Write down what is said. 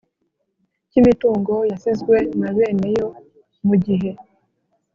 Cy imitungo yasizwe na bene yo mu gihe